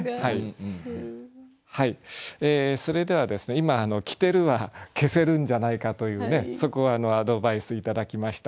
今「着てる」は消せるんじゃないかというそこはアドバイス頂きました。